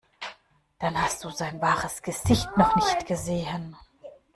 Dann hast du sein wahres Gesicht noch nicht gesehen.